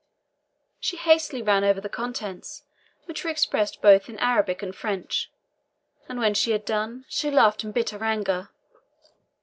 She hastily ran over the contents, which were expressed both in Arabic and French, and when she had done, she laughed in bitter anger.